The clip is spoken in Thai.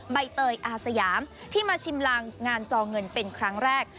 ใบเตยอาสยามที่มาชิมลางงานจอเงินเป็นครั้งแรก